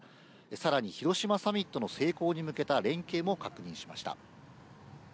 さらに広島サミットの成功に向けた連携も確認しました。